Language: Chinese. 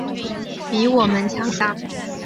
比我们强大